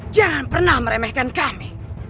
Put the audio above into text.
jangan pernah meremehkan kami